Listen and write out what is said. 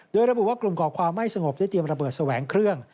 โดยระบุว่ากลุ่มก่อความไม่สงบได้เตรียมระเบิดแสวงเครื่อง